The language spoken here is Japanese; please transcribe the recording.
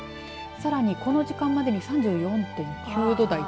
さらにこの時間までに３４．９度台。